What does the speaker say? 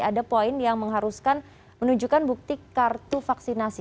ada poin yang mengharuskan menunjukkan bukti kartu vaksinasi